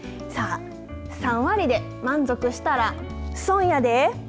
３割で満足したら損やで。